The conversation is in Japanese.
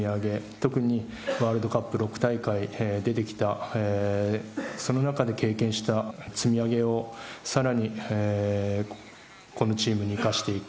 特にワールドカップ６大会出てきたその中で経験した積み上げをさらにこのチームに生かしていく。